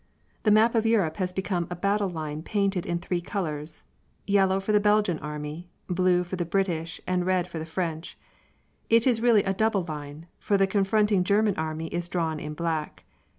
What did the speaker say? The map of Europe has become a battle line painted in three colours: yellow for the Belgian Army, blue for the British and red for the French. It is really a double line, for the confronting German Army is drawn in black.